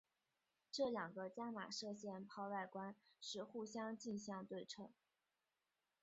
这两个伽玛射线泡外观是互相镜像对称。